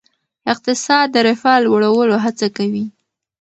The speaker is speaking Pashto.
اقتصاد د رفاه لوړولو هڅه کوي.